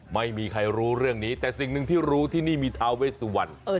ไม่มีใครรู้เรื่องนี้แต่สิ่งหนึ่งที่รู้ที่นี่มีทาเวสวัน